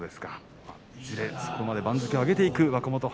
そこまで番付を上げていく若元